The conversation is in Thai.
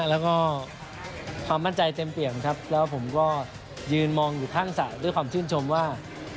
แล้วก็ความมั่นใจเต็มเปี่ยมครับแล้วผมก็ยืนมองอยู่ข้างสระด้วยความชื่นชมว่า